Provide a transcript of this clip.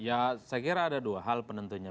ya saya kira ada dua hal penentunya